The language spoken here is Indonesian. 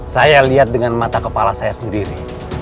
saya lihat dengan mata kepala saya sendiri